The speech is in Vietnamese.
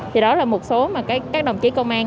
thì đó là một số mà các đồng chí công an